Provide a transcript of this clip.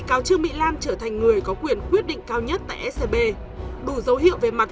cáo trương mỹ lan trở thành người có quyền quyết định cao nhất tại scb đủ dấu hiệu về mặt